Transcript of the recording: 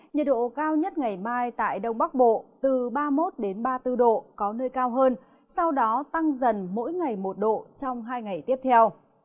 nhiệt độ cao nhất ngày mai tại đông bắc bộ từ ba mươi một ba mươi bốn độ có nơi cao hơn sau đó tăng dần mỗi ngày một độ trong hai ngày tiếp theo